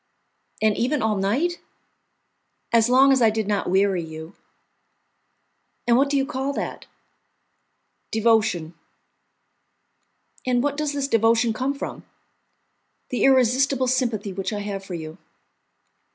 "And even all night?" "As long as I did not weary you." "And what do you call that?" "Devotion." "And what does this devotion come from?" "The irresistible sympathy which I have for you."